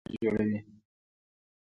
دوی هوښیار ښارونه جوړوي.